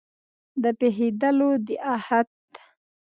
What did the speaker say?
د پېښېدلو د احت